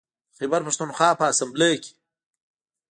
د خیبر پښتونخوا په اسامبلۍ کې